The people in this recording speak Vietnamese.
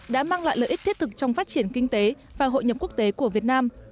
đã mang lại lợi ích thiết thực trong phát triển kinh tế và hội nhập quốc tế của việt nam